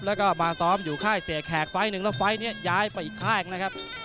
แล้วก็มาซ้อมอยู่ค่ายเสียแขกไฟล์หนึ่งแล้วไฟล์นี้ย้ายไปอีกค่ายนะครับ